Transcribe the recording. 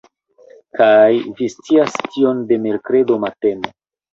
Kaj vi scias tion de merkredo matene!